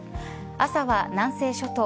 朝は南西諸島